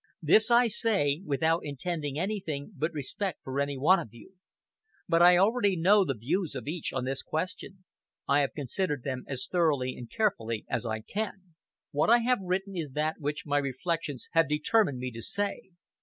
This I say, without intending anything but respect for any one of you. But I already know the views of each on this question.... I have considered them as thoroughly and carefully as I can. What I have written is that which my reflections have determined me to say.